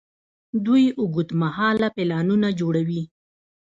دوی اوږدمهاله پلانونه جوړوي.